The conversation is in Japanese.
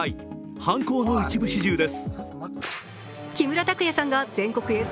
犯行の一部始終です。